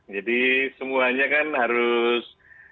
jadi semuanya kan harus